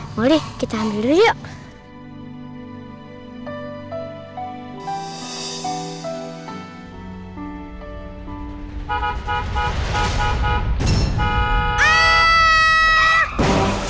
muli kita ambil dulu yuk